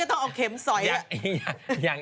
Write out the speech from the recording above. ปล่อยให้เบลล่าว่าง